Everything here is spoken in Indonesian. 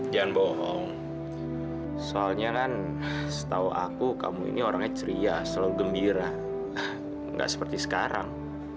jangan bohong soalnya kan setahu aku kamu ini orangnya ceria selalu gembira nggak seperti sekarang